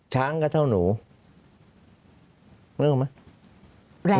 ช้างก็เท่าหนูนึกออกไหม